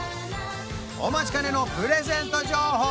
お待ちかねのプレゼント情報